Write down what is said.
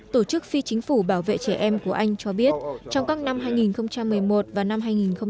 tổ chức phi chính phủ bảo vệ trẻ em của anh cho biết trong các năm hai nghìn một mươi một và năm hai nghìn một mươi bảy